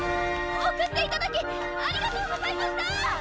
送っていただきありがとうございました！